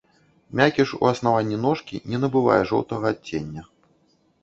Мякіш у аснаванні ножкі не набывае жоўтага адцення.